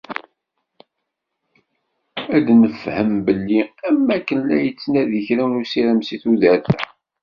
Ad d-nefhem belli am akken la yettnadi kra n usirem si tudert-a.